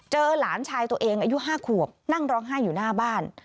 หลานชายตัวเองอายุ๕ขวบนั่งร้องไห้อยู่หน้าบ้าน